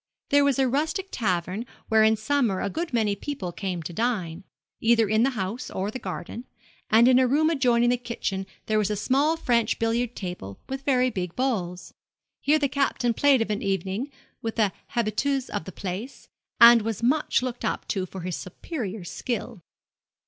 There was a rustic tavern where in summer a good many people came to dine, either in the house or the garden, and in a room adjoining the kitchen there was a small French billiard table with very big balls. Here the Captain played of an evening with the habitués of the place, and was much looked up to for his superior skill.